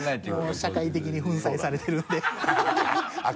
もう社会的に粉砕されてるんで